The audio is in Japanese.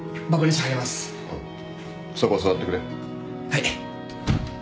はい。